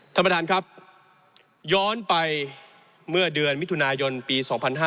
ท่านประธานครับย้อนไปเมื่อเดือนมิถุนายนปี๒๕๕๙